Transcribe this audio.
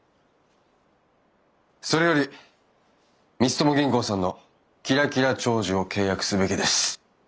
それより光友銀行さんの「キラキラ長寿」を契約すべきです。